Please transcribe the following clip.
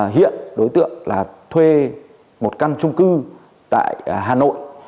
hiện đối tượng là thuê một căn trung cư tại hà nội